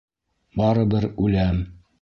Барыбер үләм!